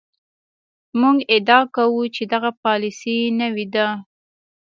موږ ادعا کوو چې دغه پالیسي نوې ده.